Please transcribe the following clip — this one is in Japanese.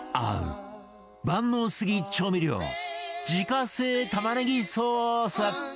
万能すぎ調味料自家製玉ねぎソース